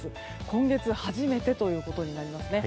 今月初めてということになりそうです。